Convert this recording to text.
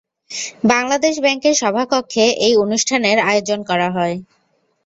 বাংলাদেশ ব্যাংকের সভাকক্ষে এই অনুষ্ঠানের আয়োজন করা হয়।